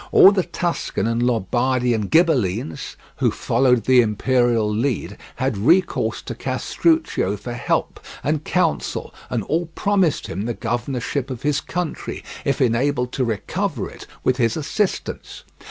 All the Tuscan and Lombardian Ghibellines, who followed the imperial lead, had recourse to Castruccio for help and counsel, and all promised him the governorship of his country, if enabled to recover it with his assistance.